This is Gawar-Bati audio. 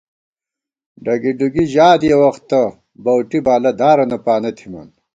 ڈگی ڈُگی ژات یَہ وختہ بَؤٹی بالہ دارَنہ پانہ تھِمان